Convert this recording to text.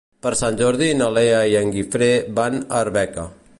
Per Sant Jordi na Lea i en Guifré van a Arbeca.